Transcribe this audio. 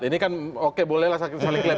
ini kan oke bolehlah saling klaim